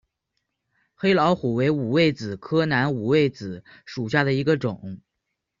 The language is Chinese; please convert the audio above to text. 黑老虎为五味子科南五味子属下的一个种。